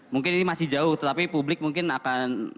mungkin ini masih jauh tetapi publik mungkin akan